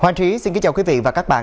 hoàng trí xin kính chào quý vị và các bạn